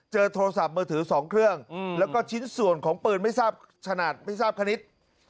เจอโทรศัพท์มือถือ๒เครื่องแล้วก็ชิ้นส่วนของปืนไม่ทราบขนิท